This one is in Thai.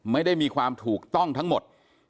ไม่ได้มีความถูกต้องทั้งหมด